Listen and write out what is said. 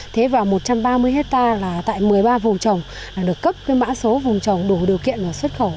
thế vào một trăm ba mươi hectare là tại một mươi ba vùng trồng được cấp mã số vùng trồng đủ điều kiện xuất khẩu